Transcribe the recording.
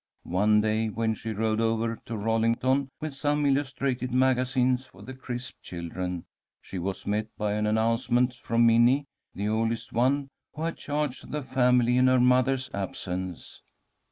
One day, when she rode over to Rollington with some illustrated magazines for the Crisp children, she was met by an announcement from Minnie, the oldest one, who had charge of the family in her mother's absence.